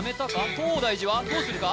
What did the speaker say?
東大寺はどうするか？